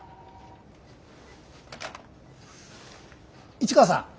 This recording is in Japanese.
市川さん。